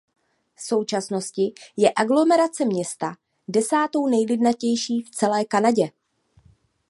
V současnosti je aglomerace města desátou nejlidnatější v celé Kanadě.